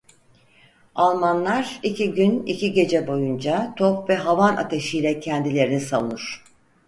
Almanlar iki gün iki gece boyunca top ve havan ateşiyle kendilerini savunur.